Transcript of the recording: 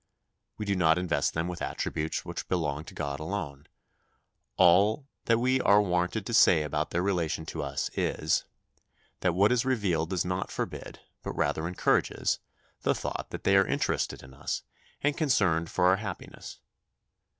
We do not invest them with attributes which belong to God alone; all that we are warranted to say about their relation to us is, that what is revealed does not forbid, but rather encourages, the thought that they are interested in us and concerned for our happiness.